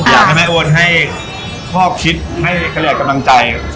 อยากให้แม่อุ้นให้พ่อชิดให้กระแหลกกำลังใจ